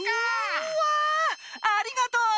うわありがとう！